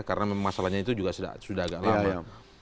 karena memang masalahnya itu juga sudah agak lama